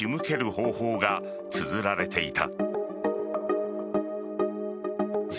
方法がつづられていた。